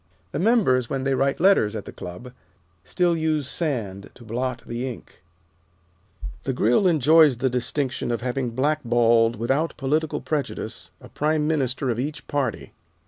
The members, when they write letters at the Club, still use sand to blot the ink. The Grill enjoys the distinction of having blackballed, without political prejudice, a Prime Minister of each party.